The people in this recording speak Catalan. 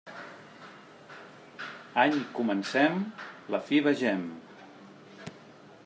Any comencem; la fi vegem.